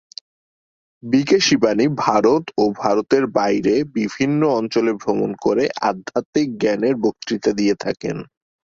B K Shivani Bharat ও ভারতের বাইরে বিভিন্ন অঞ্চলে ভ্রমণ করে আধ্যাত্মিক জ্ঞানের বক্তৃতা দিয়ে থাকেন।